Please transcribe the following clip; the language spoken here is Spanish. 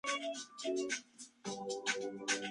Era un firme opositor a la esclavitud.